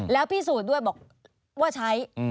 แล้วพิสูจน์ด้วยบอกว่าใช้